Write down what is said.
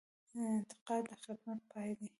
تقاعد د خدمت پای دی